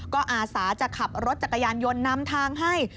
ก็อาสาจะขับรถจักรยานยนต์นำทางให้